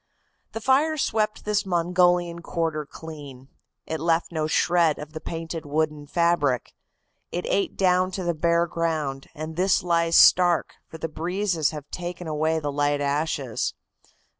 "The fire swept this Mongolian quarter clean. It left no shred of the painted wooden fabric. It ate down to the bare ground, and this lies stark, for the breezes have taken away the light ashes.